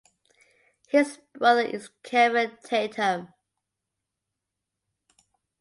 His brother is Kelvin Tatum.